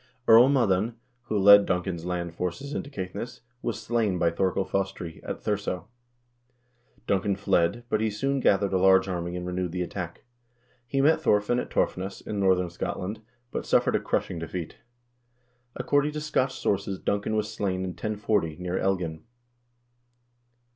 Earl Moddan, who led Duncan's land forces into Caithness, was slain by Thorkel Fostri, at Thurso. Duncan fled, but he soon gathered a large army and renewed the attack. He met Thorfinn at Torfness, in northern Scotland, but suffered a crushing defeat. According to Scotch sources Duncan was slain in 1040, near Elgin.